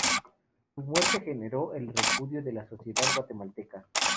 Su muerte generó el repudio de la sociedad guatemalteca.